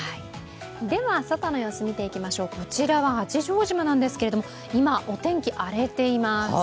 では、外の様子見ていきましょうこちらは八丈島なんですけどいま、お天気荒れています。